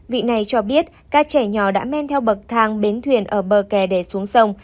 vị này cho biết các trẻ nhỏ đã men theo bậc thang bến thuyền ở bờ kè để xuống sông